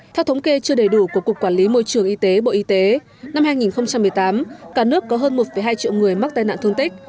theo thống kê chưa đầy đủ của cục quản lý môi trường y tế bộ y tế năm hai nghìn một mươi tám cả nước có hơn một hai triệu người mắc tai nạn thương tích